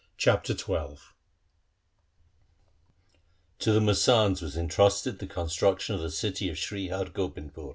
Chapter XII To the masands was entrusted the construction of the city of Sri Har Gobindpur.